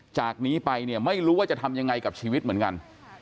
จากนี้ไปเนี่ยไม่รู้ว่าจะทำยังไงกับชีวิตเหมือนกัน